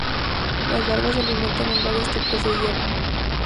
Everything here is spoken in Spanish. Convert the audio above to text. Las larvas se alimentan en varios tipos de hierba.